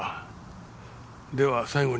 では最後に１つ。